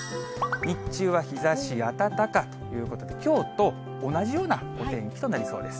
日中は日ざし暖かということで、きょうと同じようなお天気となりそうです。